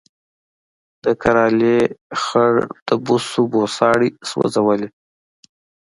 د کرهالې خړ د بوسو بوساړه سوځولې